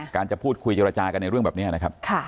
การจะพูดคุยเจรจากันในเรื่องแบบนี้